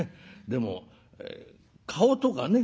でも顔とかね